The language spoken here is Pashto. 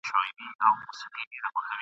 دا تُرابان دی د بدریو له داستانه نه ځي !.